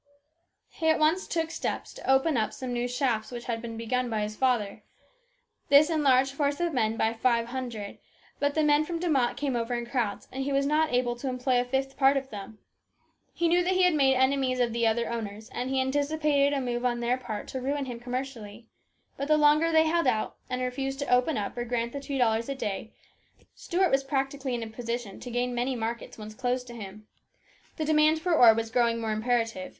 He at once took steps to open up some new shafts which had been begun by his father. This enlarged his force of men by five hundred, but the men from De Mott came over in crowds, and he was not able to employ a fifth part of them. He knew that he had made enemies of the other owners, and he anticipated a move on their part to ruin him commercially ; but the longer they held out and refused to open up or grant the two dollars a day, Stuart was practically in a position to gain many markets once closed to him. The demand for ore was growing more imperative.